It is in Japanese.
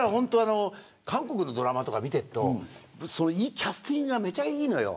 韓国のドラマとか見てるとキャスティングがめっちゃいいのよ